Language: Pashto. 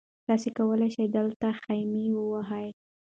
تاسي کولای شئ دلته خیمه ووهئ.